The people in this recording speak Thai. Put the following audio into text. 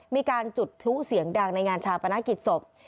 มีการจุดพลุเสียงดังในงานชาปนกิจศพ